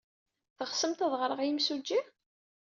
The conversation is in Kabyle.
Teɣsemt ad d-ɣreɣ i yimsujji?